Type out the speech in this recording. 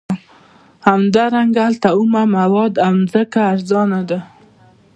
همدارنګه هلته اومه مواد او ځمکه ارزانه ده